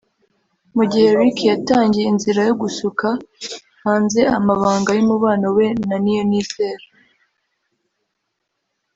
Mu gihe Rick yatangiye inzira yo gusuka hanze amabanga y’umubano we na Niyonizera